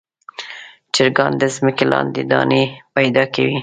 چرګان د ځمکې لاندې دانې پیدا کوي.